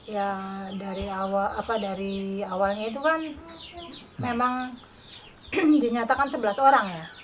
ya dari awal dari awalnya itu kan memang dinyatakan sebelas orang ya